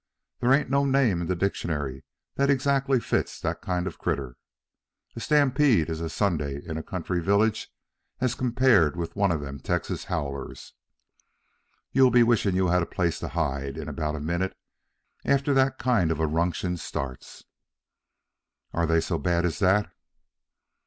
There ain't no name in the dictionary that exactly fits that kind of a critter. A stampede is a Sunday in a country village as compared with one of them Texas howlers. You'll be wishing you had a place to hide, in about a minute after that kind of a ruction starts." "Are they so bad as that?"